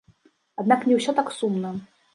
Аднак не ўсё так сумна.